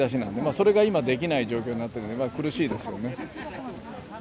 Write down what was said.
それが今できない状況になってるので苦しいですよね。